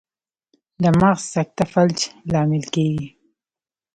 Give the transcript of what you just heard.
د مغز سکته فلج لامل کیږي